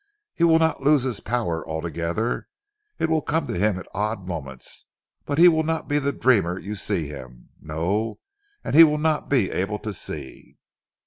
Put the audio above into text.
He will not lose his power altogether. It will come to him at odd moments. But he will not be the dreamer you see him, no! and he will not be able to see."